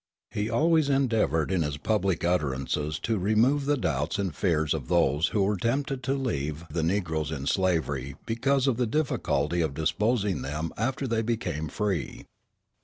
He always endeavored in his public utterances to remove the doubts and fears of those who were tempted to leave the negroes in slavery because of the difficulty of disposing of them after they became free.